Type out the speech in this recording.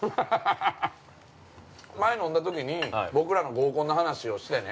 前、飲んだときに僕らの合コンの話をしてね